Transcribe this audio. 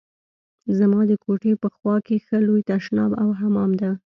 زما د کوټې په خوا کښې ښه لوى تشناب او حمام و.